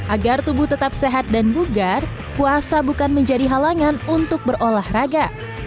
agar tubuh tetap sehat dan bugar puasa bukan menjadi halangan untuk berolahraga